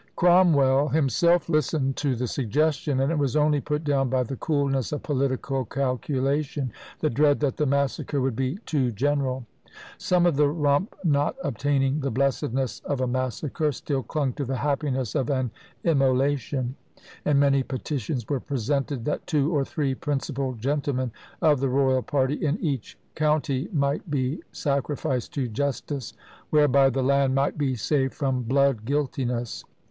" Cromwell himself listened to the suggestion; and it was only put down by the coolness of political calculation the dread that the massacre would be too general! Some of the Rump not obtaining the blessedness of a massacre, still clung to the happiness of an immolation; and many petitions were presented, that "two or three principal gentlemen of the royal party in EACH COUNTY might be sacrificed to justice, whereby the land might be saved from blood guiltiness!"